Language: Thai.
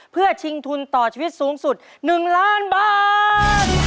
เพื่อชิงทุนต่อชีวิตสูงสุด๑ล้านบาท